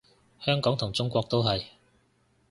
香港同中國都係